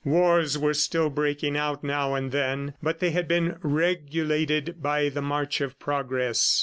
Wars were still breaking out now and then, but they had been regulated by the march of progress.